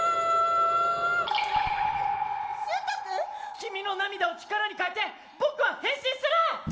君の涙を力に変えて僕は変身する！